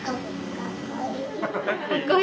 かっこいい？